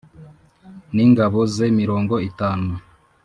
N ingabo ze mirongo itanu